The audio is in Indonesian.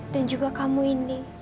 dan juga kamu indi